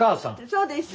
そうです。